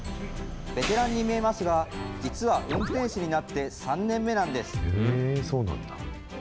ベテランに見えますが、実は運転士になって３年目なんです。